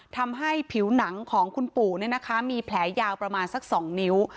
ทำให้ผิวหนังของคุณปู่มีแผลยาวประมาณสัก๒นิ้ว